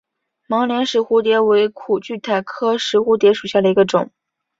孟连石蝴蝶为苦苣苔科石蝴蝶属下的一个种。